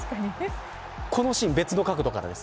このシーン、別の角度からです。